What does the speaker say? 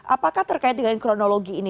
apakah terkait dengan kronologi ini